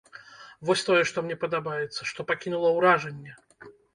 Вось тое, што мне падабаецца, што пакінула ўражанне.